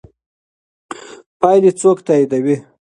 پایلې څوک تاییدوي؟